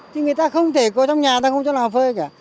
thì người ta không thể có trong nhà người ta không cho lòng phơi cả